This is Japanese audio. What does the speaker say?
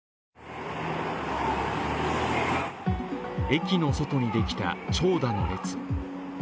駅の外にできた長蛇の列。